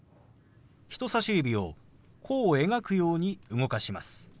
人さし指を弧を描くように動かします。